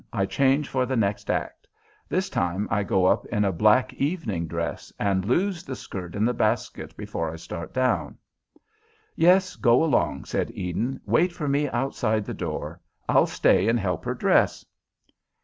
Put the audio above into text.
I change for the next act. This time I go up in a black evening dress, and lose the skirt in the basket before I start down." "Yes, go along," said Eden. "Wait for me outside the door. I'll stay and help her dress."